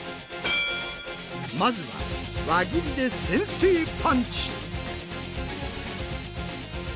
まずは輪切りで先制パンチ！